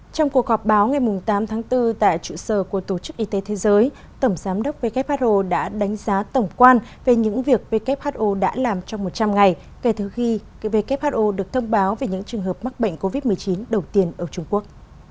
trong cuộc họp báo ngày tám tháng bốn tại trụ sở của tổ chức y tế thế giới tổng giám đốc who đã đánh giá tổng quan về những việc who đã làm trong một trăm linh ngày kể từ khi who được thông báo về những trường hợp mắc bệnh covid một mươi chín đầu tiên ở trung quốc